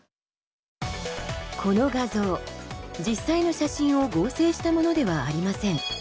この画像、実際の写真を合成したものではありません。